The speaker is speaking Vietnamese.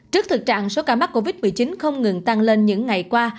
trước thực trạng số ca mắc covid một mươi chín không ngừng tăng lên những ngày qua